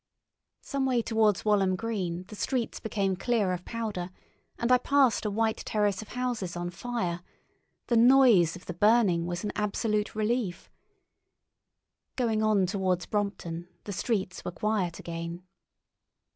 Some way towards Walham Green the streets became clear of powder, and I passed a white terrace of houses on fire; the noise of the burning was an absolute relief. Going on towards Brompton, the streets were quiet again.